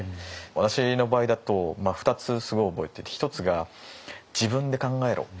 私の場合だと２つすごい覚えてて一つが「自分で考えろ」。